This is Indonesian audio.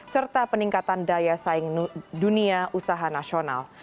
serta peningkatan daya saing dunia usaha nasional